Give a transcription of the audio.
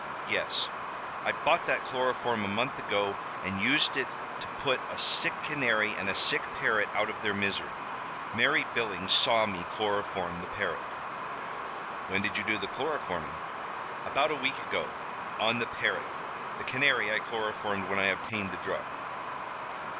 "Yes." "I bought that chloroform a month ago and used it to put a sick canary and a sick parrot out of their misery. Mary Billings saw me chloroform the parrot." "When did you do the chloroforming?" "About a week ago, on the parrot. The canary I chloroformed when I obtained the drug."